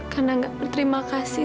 karena gak berterima kasih